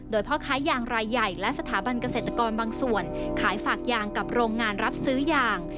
โดยพ่อค้ายางรายใหญ่และสถาบันเกษตรกรบางส่วนขายฝากยางกับโรงงานรับซื้อยาง